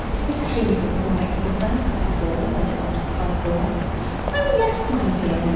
'Is Hazel all right, mother?' he called when he got to the front door. 'Oh yes, my dear.